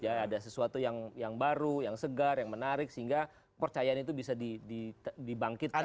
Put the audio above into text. ada sesuatu yang baru yang segar yang menarik sehingga percayaan itu bisa dibangkitkan